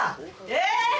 えっ！？